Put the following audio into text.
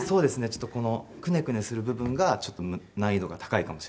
ちょっとクネクネする部分がちょっと難易度が高いかもしれないですね。